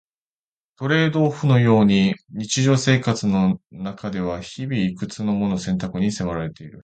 トレードオフのように日常生活の中では日々、いくつもの選択に迫られている。